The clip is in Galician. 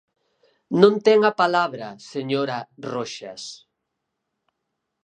Non ten a palabra, señora Roxas.